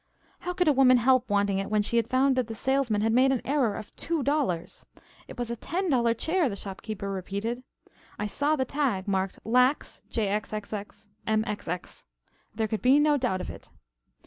How could a woman help wanting it when she found that the salesman had made an error of two dollars? It was a ten dollar chair, the shop keeper repeated. I saw the tag marked "Lax, Jxxx Mxx." There could be no doubt of it.